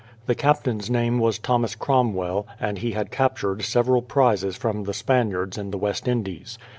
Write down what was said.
The Captain's name was Thomas Cromwell, and he had captured several prizes from the Spaniards in the West Indies.